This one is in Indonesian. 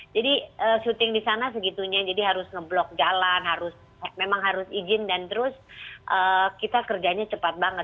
jadi syuting di sana segitunya jadi harus ngeblok jalan harus memang harus izin dan terus kita kerjanya cepat banget